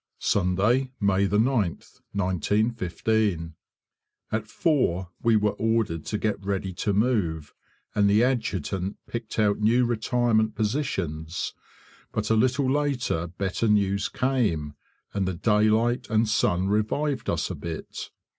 Sunday, May 9th, 1915. At 4 we were ordered to get ready to move, and the Adjutant picked out new retirement positions; but a little later better news came, and the daylight and sun revived us a bit.